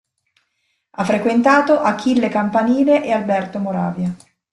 Ha frequentato Achille Campanile e Alberto Moravia.